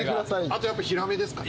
あとやっぱヒラメですかね。